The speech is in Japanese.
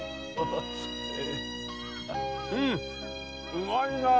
うまいなぁ。